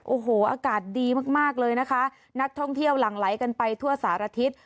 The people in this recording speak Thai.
โอ้โหอากาศดีมากมากเลยนะคะนักท่องเที่ยวหลั่งไหลกันไปทั่วสารทิศ